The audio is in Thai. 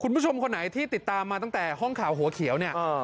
คุณผู้ชมคนไหนที่ติดตามมาตั้งแต่ห้องข่าวหัวเขียวเนี่ย